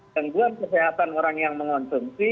gangguan kesehatan orang yang mengonsumsi